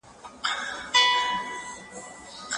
مشاور او لارښود په ټولیز ډول ورته دندي لري.